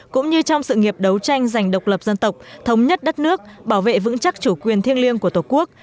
cũng như trong sự nghiệp đấu tranh giành độc lập dân tộc thống nhất đất nước bảo vệ vững chắc chủ quyền thiêng liêng của tổ quốc